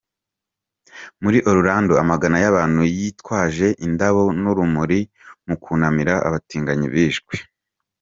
Muri Orlando amagana y’abantu yitwaje indabo n’urumuri mu kunamira abatinganyi bishwe.